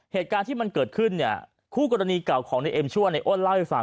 เหตุการณ์ที่มันเกิดขึ้นเนี่ยคู่กรณีเก่าของในเอ็มชื่อว่าในอ้นเล่าให้ฟัง